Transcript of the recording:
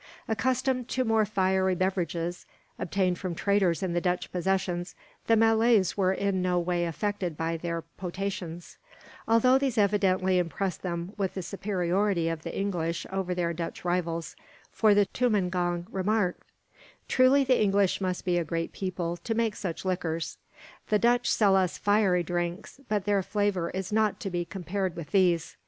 Accustomed to more fiery beverages, obtained from traders in the Dutch possessions, the Malays were in no way affected by their potations; although these evidently impressed them with the superiority of the English over their Dutch rivals, for the tumangong remarked: "Truly the English must be a great people, to make such liquors. The Dutch sell us fiery drinks, but their flavour is not to be compared with these.